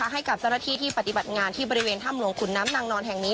ให้กับเจ้าหน้าที่ที่ปฏิบัติงานที่บริเวณถ้ำหลวงขุนน้ำนางนอนแห่งนี้